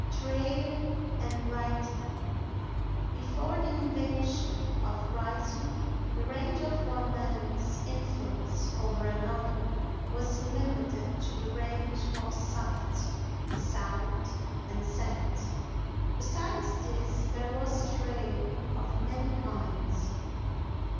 Trail and Writing Before the invention of writing the range of one man's influence over another was limited to the range of sight, sound and scent; besides this there was trail, of many kinds.